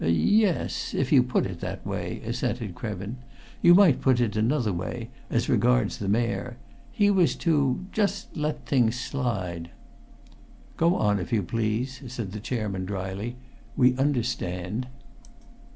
"Y es, if you put it that way," assented Krevin. "You might put it another way, as regards the Mayor. He was to just let things slide." "Go on, if you please," said the chairman dryly. "We understand."